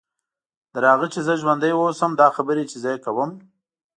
تر هغه چې زه ژوندۍ واوسم دا خبرې چې زه یې کوم.